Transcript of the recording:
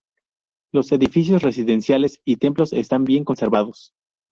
Los edificios residenciales y templos están bien conservados.